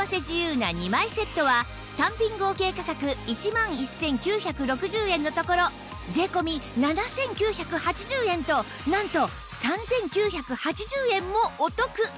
自由な２枚セットは単品合計価格１万１９６０円のところ税込７９８０円となんと３９８０円もお得